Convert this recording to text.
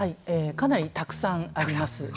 かなりたくさんあります。